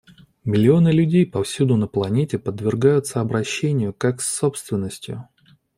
Миллионы людей повсюду на планете подвергаются обращению как с собственностью.